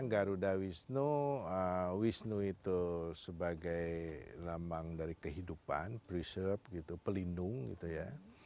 garuda wisnu wisnu itu sebagai lambang dari kehidupan preserve gitu pelindung gitu ya